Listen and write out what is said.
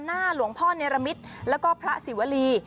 หน้าหลวงพ่อเนรมิตแล้วก็พระศิวรี